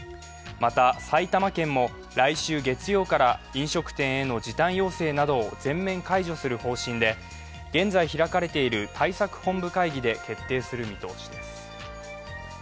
また、埼玉県も来週月曜から飲食店への時短要請などを全面解除する方針で、現在開かれている対策本部会議で決定する見通しです。